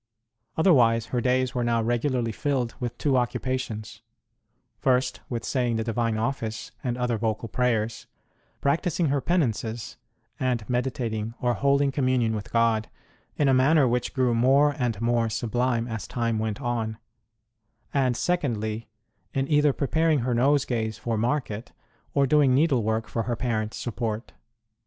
Otherwise her days were now regularly filled with two occupations : first, with saying the Divine Office and other vocal prayers, practising her penances, and meditating, or holding communion with God, in a manner which grew more and more sublime as time went on ; and, secondly, in either preparing her nosegays for market or doing needlework for her parents support.